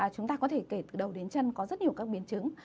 chúng ta có thể kể từ đầu đến chân có rất nhiều các biến chứng